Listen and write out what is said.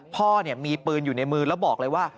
พ่อมีปืนอยู่ในมือแล้วบอกเลยว่า